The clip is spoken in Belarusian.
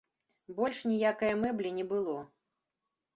Больш ніякае мэблі не было.